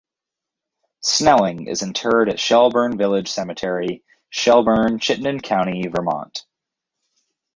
Snelling is interred at Shelburne Village Cemetery, Shelburne, Chittenden County, Vermont.